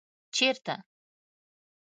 ـ چېرته ؟